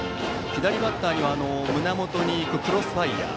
左バッターには胸元に行くクロスファイアー。